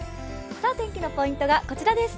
天気のポイントがこちらです。